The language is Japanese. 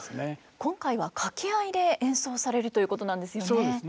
今回は掛合で演奏されるということなんですよね。